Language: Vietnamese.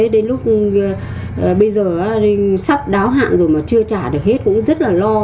đến lúc bây giờ sóc đáo hạn rồi mà chưa trả được hết cũng rất là lo